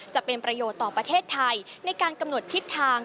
จะเป็นประโยชน์ต่อประเทศไทยในการกำหนดทิศทาง